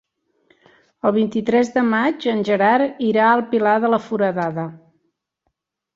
El vint-i-tres de maig en Gerard irà al Pilar de la Foradada.